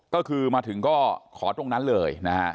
ก็คือมาถึงก็ขอตรงนั้นเลยนะฮะ